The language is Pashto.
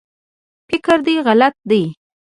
فکر دی غلط دی